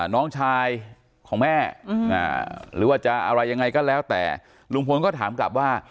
น้องชายของแม่หรือว่าจะอะไรยังไงก็แล้วแต่ลุงพลก็ถามกลับว่า